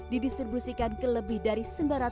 didistribusikan ke lebih dari